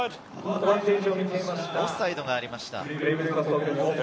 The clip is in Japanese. オフサイドがありました。